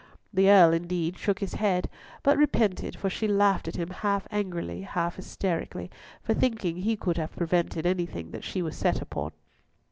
The Earl, indeed, shook his head, but repented, for she laughed at him half angrily, half hysterically, for thinking he could have prevented anything that she was set upon.